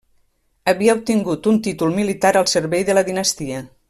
Havia obtingut un títol militar al servei de la dinastia.